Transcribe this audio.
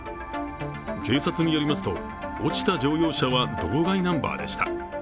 警察によりますと、落ちた乗用車は道外ナンバーでした。